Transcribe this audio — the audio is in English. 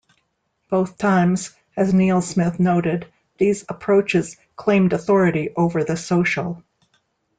Both times, as Neil Smith noted, these approaches "claimed authority over the 'social'".